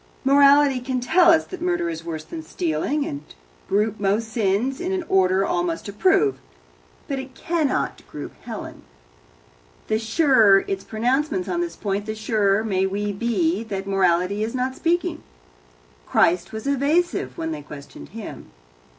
Morality can tell us that murder is worse than stealing, and group most sins in an order all must approve, but it cannot group Helen. The surer its pronouncements on this point, the surer may we be that morality is not speaking. Christ was evasive when they questioned Him.